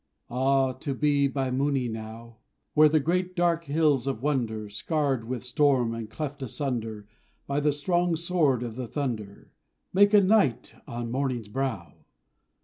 Ah, to be by Mooni now, Where the great dark hills of wonder, Scarred with storm and cleft asunder By the strong sword of the thunder, Make a night on morning's brow!